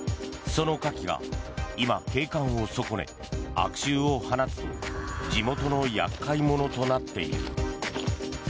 そのカキが今、景観を損ね悪臭を放つ地元の厄介者となっている。